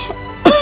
aku dimana ini